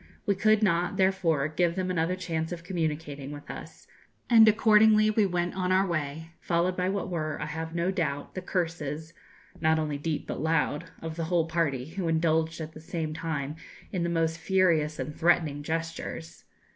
We could not, therefore, give them another chance of communicating with us, and accordingly we went on our way, followed by what were, I have no doubt, the curses not only deep, but loud of the whole party, who indulged at the same time in the most furious and threatening gestures.